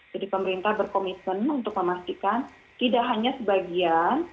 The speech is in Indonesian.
jadi pemerintah berkomisen untuk memastikan tidak hanya sebagian